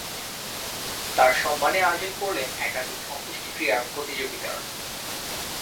তার সম্মানে আয়োজন করলেন একাধিক অন্ত্যেষ্টি ক্রীড়া প্রতিযোগিতার।